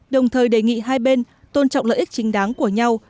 đồng thời đề nghị hai bên tôn trọng lợi ích chính đáng của nhau